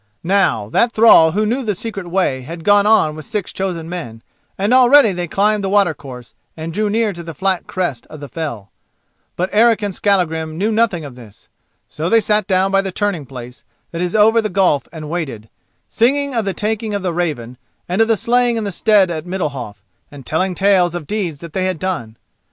Now that thrall who knew the secret way had gone on with six chosen men, and already they climbed the watercourse and drew near to the flat crest of the fell. But Eric and Skallagrim knew nothing of this. So they sat down by the turning place that is over the gulf and waited, singing of the taking of the Raven and of the slaying in the stead at Middalhof, and telling tales of deeds that they had done.